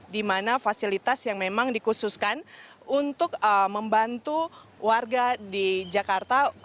di mana fasilitas yang memang dikhususkan untuk membantu warga di jakarta